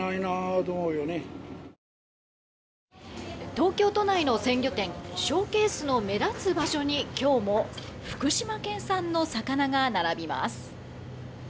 東京都内の鮮魚店ショーケースの目立つ場所に今日も福島県産の魚が並びます。